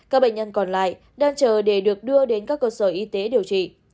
các bệnh nhân còn lại đang chờ để được đưa đến các cơ sở y tế điều trị